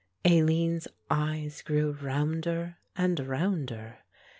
Aline's eyes grew rounder and rounder.